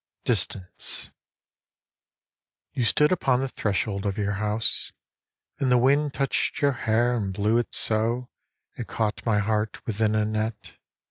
Distance YOU stood upon the threshold of your house, And the wind touched your hair and blew it so It caught my heart within a net.